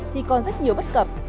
thì còn rất nhiều bất cập